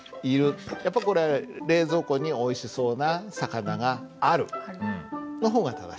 やっぱこれ「冷蔵庫においしそうな魚がある」の方が正しい。